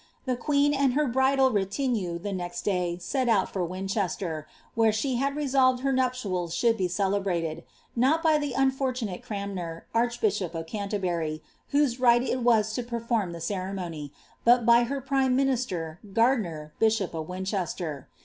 ^ Tbe queen and her bridal retinue the next day set out for Winchester, where she liad resolved her nuptials should be celebrated ; not by tbe od ftrttnnate Cranraer, archbishop of CSanterbury, whose right it was to per form the ceremony; but by her prime minister, Gaidiner, bishop of Winchester.